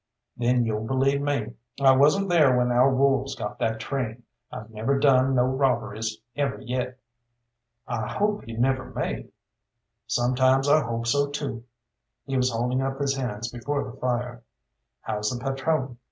"Then you'll believe me. I wasn't there when our wolves got that train. I've never done no robberies, ever yet." "I hope you never may." "Sometimes I hope so too." He was holding up his hands before the fire. "How's the patrone?"